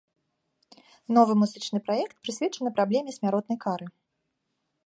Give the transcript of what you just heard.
Новы музычны праект прысвечаны праблеме смяротнай кары.